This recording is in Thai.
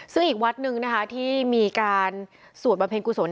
ซึ่งอีกวัดหนึ่งนะคะที่มีการสวดบำเพ็ญกุศล